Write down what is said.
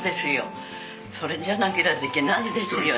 それじゃなけりゃできないですよね。